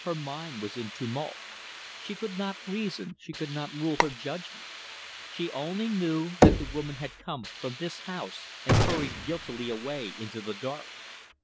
Her mind was in tumult. She could not reason, she could not rule her judgment. She only knew that the woman had come from this house, and hurried guiltily away into the dark.